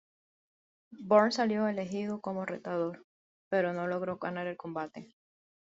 Bourne salió elegido como retador, pero no logró ganar el combate.